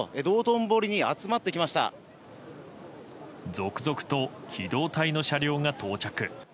続々と機動隊の車両が到着。